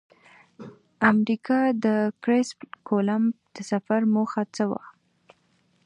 امریکا ته د کرسف کولمب د سفر موخه څه وه؟